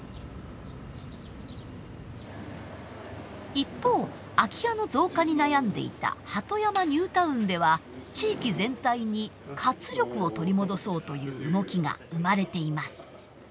一方空き家の増加に悩んでいた鳩山ニュータウンでは地域全体に活力を取り戻そうという動きが生まれています。